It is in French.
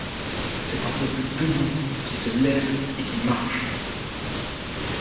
C'est un peuple debout qui se lève et qui marche.